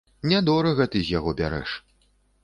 Не дорага ты з яго бярэш.